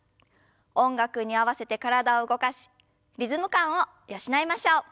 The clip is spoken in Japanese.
音楽に合わせて体を動かしリズム感を養いましょう。